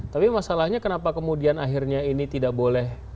tapi masalahnya kenapa kemudian akhirnya ini tidak boleh